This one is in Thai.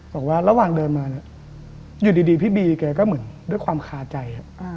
บอกว่าระหว่างเดินมาเนี่ยอยู่ดีพี่บีแกก็เหมือนด้วยความคาใจ